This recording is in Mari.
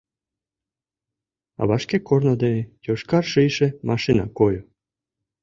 А вашке корно дене йошкар шийше машина койо.